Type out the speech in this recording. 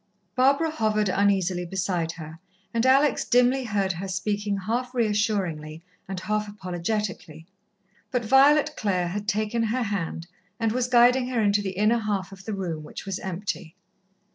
Barbara hovered uneasily beside her, and Alex dimly heard her speaking half reassuringly and half apologetically. But Violet Clare had taken her hand, and was guiding her into the inner half of the room, which was empty.